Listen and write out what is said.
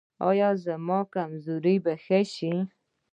ایا زما کمزوري به ښه شي؟